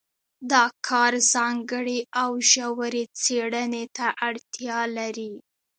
دا کار ځانګړې او ژورې څېړنې ته اړتیا لري.